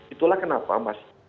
itulah kenapa mas